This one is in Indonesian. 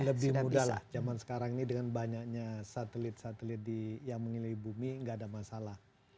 lebih mudah lah zaman sekarang ini dengan banyaknya satelit satelit yang mengelilingi bumi tidak ada masalah